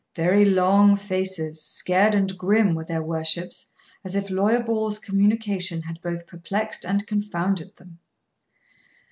Very long faces, scared and grim, were their worships', as if Lawyer Ball's communication had both perplexed and confounded them.